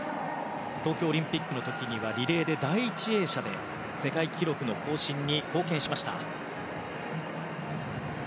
東京オリンピックの時にはリレーで第１泳者で世界記録の更新に貢献しました。